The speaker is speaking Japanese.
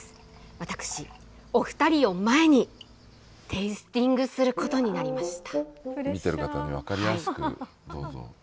私、お２人を前に、テイスティングすることになりました。